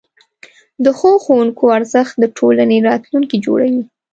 د ښو ښوونکو ارزښت د ټولنې راتلونکی جوړوي.